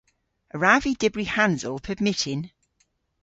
A wrav vy dybri hansel pub myttin?